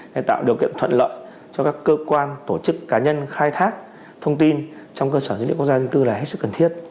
để tạo điều kiện thuận lợi cho các cơ quan tổ chức cá nhân khai thác thông tin trong cơ sở dữ liệu quốc gia dân cư là hết sức cần thiết